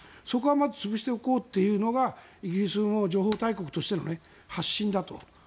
そこはまず潰しておこうというのがイギリスの情報大国としての発信だと。